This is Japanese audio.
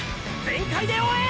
全開で追え！！